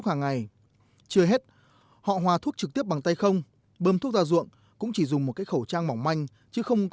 mà này mai có cứu được không